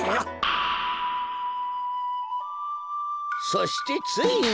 そしてついに。